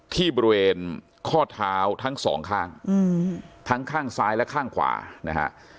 ที่บริเวณข้อเท้าทั้งสองข้างทั้งข้างซ้ายและข้างขวานะฮะ